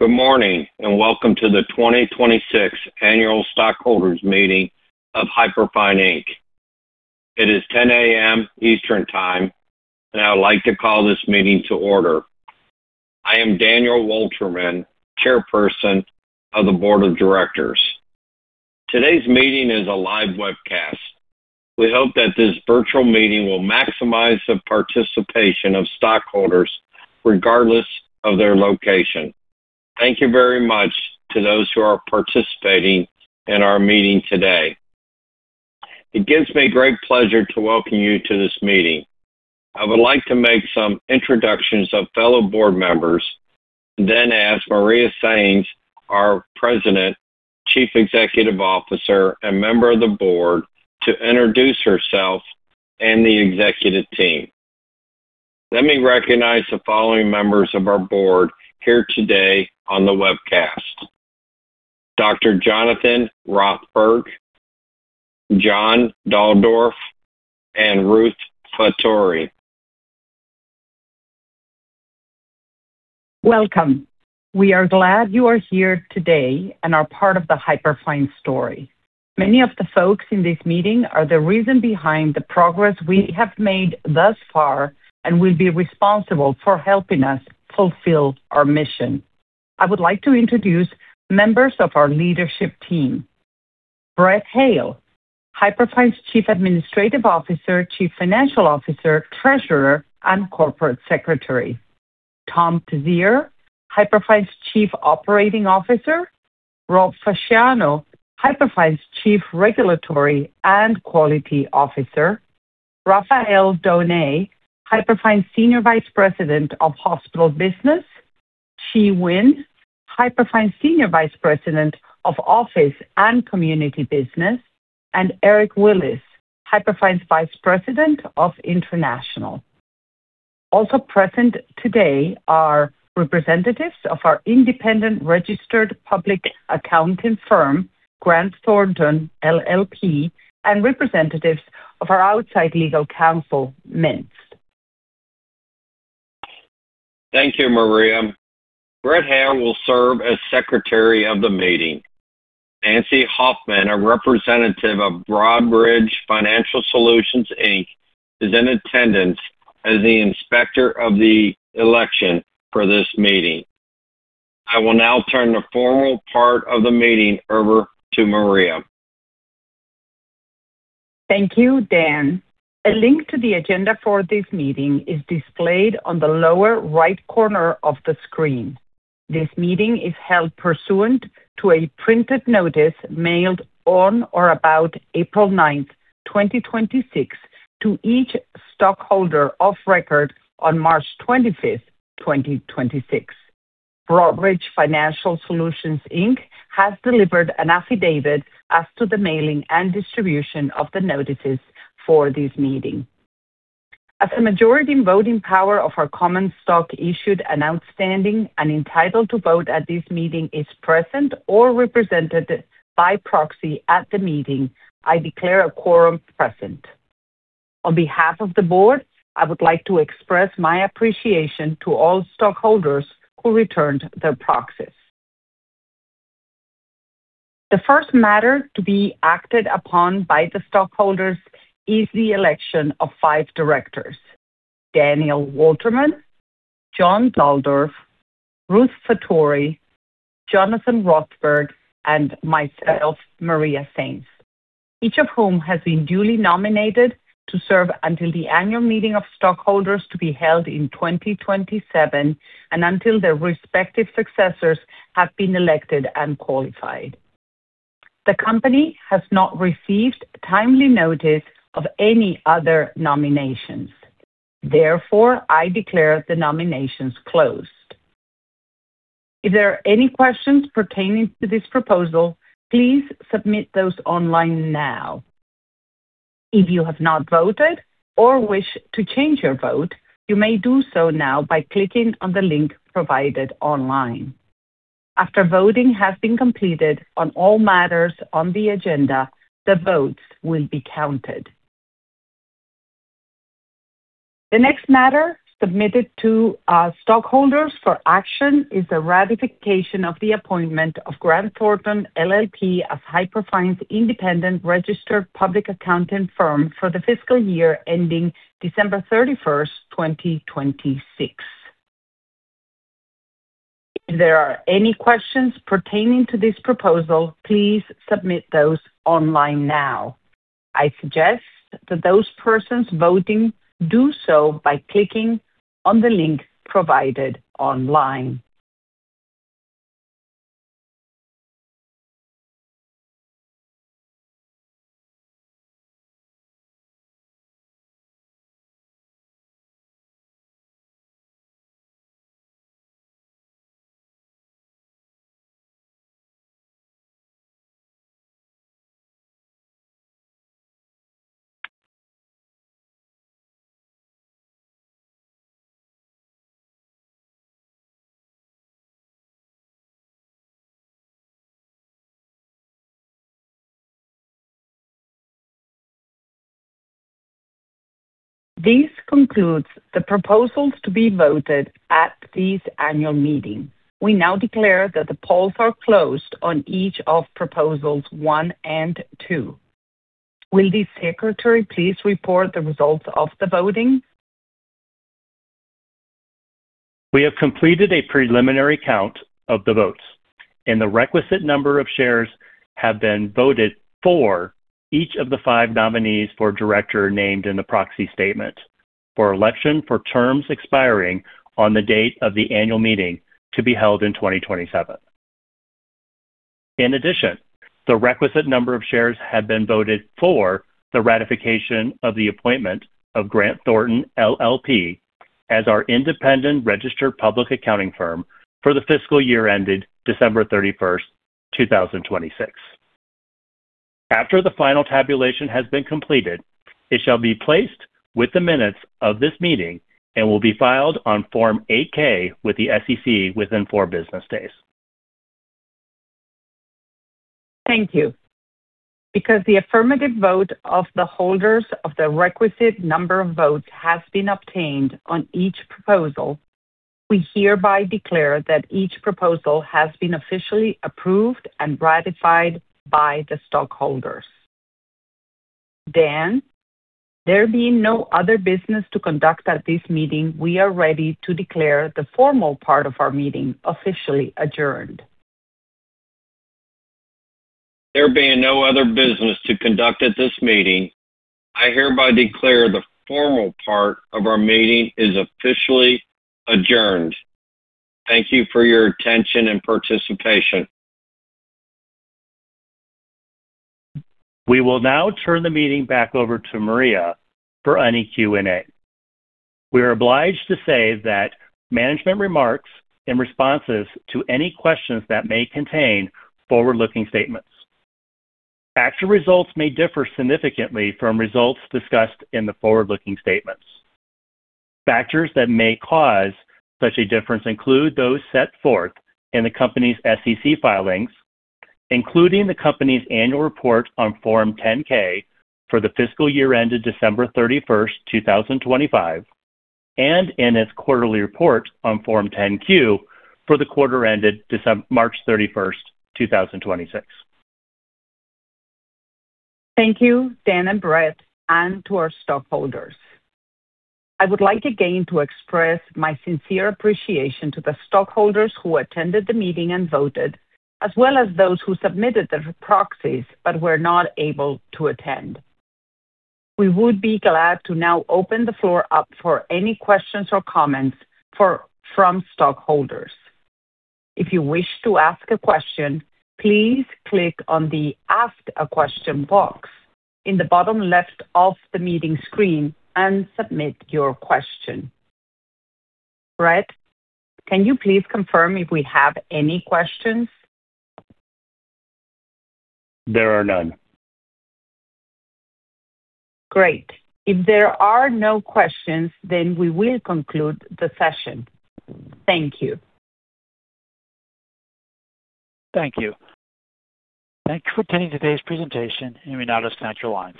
Good morning, welcome to the 2026 Annual Stockholders Meeting of Hyperfine, Inc. It is 10:00 A.M. Eastern Time. I would like to call this meeting to order. I am Daniel Wolterman, Chairperson of the Board of Directors. Today's meeting is a live webcast. We hope that this virtual meeting will maximize the participation of stockholders regardless of their location. Thank you very much to those who are participating in our meeting today. It gives me great pleasure to welcome you to this meeting. I would like to make some introductions of fellow board members, then ask Maria Sainz, our President, Chief Executive Officer, and member of the Board, to introduce herself and the executive team. Let me recognize the following members of our board here today on the webcast. Dr. Jonathan Rothberg, John Dahldorf, and Ruth Fattori. Welcome. We are glad you are here today and are part of the Hyperfine story. Many of the folks in this meeting are the reason behind the progress we have made thus far and will be responsible for helping us fulfill our mission. I would like to introduce members of our leadership team. Brett Hale, Hyperfine's Chief Administrative Officer, Chief Financial Officer, Treasurer, and Corporate Secretary. Tom Teisseyre, Hyperfine's Chief Operating Officer. Rob Fasciano, Hyperfine's Chief Regulatory and Quality Officer. Rafael Donnay, Hyperfine's Senior Vice President of Hospital Business. Chi Nguyen, Hyperfine's Senior Vice President of Office and Community Business, and Eric Willis, Hyperfine's Vice President of International. Also present today are representatives of our independent registered public accounting firm, Grant Thornton LLP, and representatives of our outside legal counsel, Mintz. Thank you, Maria. Brett Hale will serve as Secretary of the meeting. Nancy Hoffman, a representative of Broadridge Financial Solutions, Inc., is in attendance as the Inspector of the Election for this meeting. I will now turn the formal part of the meeting over to Maria. Thank you, Dan. A link to the agenda for this meeting is displayed on the lower right corner of the screen. This meeting is held pursuant to a printed notice mailed on or about April 9th, 2026, to each stockholder of record on March 25th, 2026. Broadridge Financial Solutions, Inc. has delivered an affidavit as to the mailing and distribution of the notices for this meeting. As the majority voting power of our common stock issued and outstanding and entitled to vote at this meeting is present or represented by proxy at the meeting, I declare a quorum present. On behalf of the board, I would like to express my appreciation to all stockholders who returned their proxies. The first matter to be acted upon by the stockholders is the election of five directors: Daniel Wolterman, John Dahldorf, Ruth Fattori, Jonathan Rothberg, and myself, Maria Sainz, each of whom has been duly nominated to serve until the annual meeting of stockholders to be held in 2027 and until their respective successors have been elected and qualified. The company has not received timely notice of any other nominations. Therefore, I declare the nominations closed. If there are any questions pertaining to this proposal, please submit those online now. If you have not voted or wish to change your vote, you may do so now by clicking on the link provided online. After voting has been completed on all matters on the agenda, the votes will be counted. The next matter submitted to our stockholders for action is the ratification of the appointment of Grant Thornton LLP as Hyperfine's independent registered public accounting firm for the fiscal year ending December 31st, 2026. If there are any questions pertaining to this proposal, please submit those online now. I suggest that those persons voting do so by clicking on the link provided online. This concludes the proposals to be voted at this annual meeting. We now declare that the polls are closed on each of proposals one and two. Will the secretary please report the results of the voting? We have completed a preliminary count of the votes, and the requisite number of shares have been voted for each of the five nominees for director named in the proxy statement for election for terms expiring on the date of the annual meeting to be held in 2027. In addition, the requisite number of shares have been voted for the ratification of the appointment of Grant Thornton LLP as our independent registered public accounting firm for the fiscal year ended December 31st, 2026. After the final tabulation has been completed, it shall be placed with the minutes of this meeting and will be filed on Form 8-K with the SEC within four business days. Thank you. Because the affirmative vote of the holders of the requisite number of votes has been obtained on each proposal, we hereby declare that each proposal has been officially approved and ratified by the stockholders. Dan, there being no other business to conduct at this meeting, we are ready to declare the formal part of our meeting officially adjourned. There being no other business to conduct at this meeting, I hereby declare the formal part of our meeting is officially adjourned. Thank you for your attention and participation. We will now turn the meeting back over to Maria for any Q&A. We are obliged to say that management remarks and responses to any questions that may contain forward-looking statements. Actual results may differ significantly from results discussed in the forward-looking statements. Factors that may cause such a difference include those set forth in the company's SEC filings, including the company's annual report on Form 10-K for the fiscal year ended December 31st, 2025, and in its quarterly report on Form 10-Q for the quarter ended March 31st, 2026. Thank you, Dan and Brett, and to our stockholders. I would like again to express my sincere appreciation to the stockholders who attended the meeting and voted, as well as those who submitted their proxies but were not able to attend. We would be glad to now open the floor up for any questions or comments from stockholders. If you wish to ask a question, please click on the Ask a Question box in the bottom left of the meeting screen and submit your question. Brett, can you please confirm if we have any questions? There are none. Great. If there are no questions, we will conclude the session. Thank you. Thank you. Thanks for attending today's presentation. You now disconnect your line.